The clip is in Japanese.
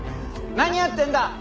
何やってんだ？